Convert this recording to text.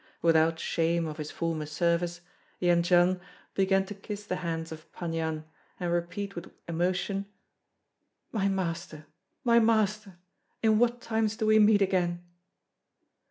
Without shame of his former service, Jendzian began to kiss the hands of Pan Yan and repeat with emotion, "My master, my master, in what times do we meet again!"